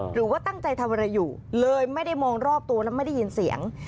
หรือว่าตั้งใจทำอะไรอยู่เลยไม่ได้มองรอบตัวแล้วไม่ได้ยินเสียง